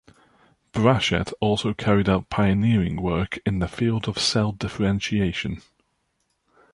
Brachet also carried out pioneering work in the field of cell differentiation.